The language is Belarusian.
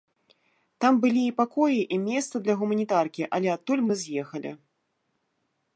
Там былі і пакоі, і месца для гуманітаркі, але адтуль мы з'ехалі.